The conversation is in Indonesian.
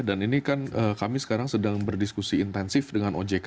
dan ini kan kami sekarang sedang berdiskusi intensif dengan ojk